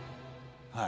はい。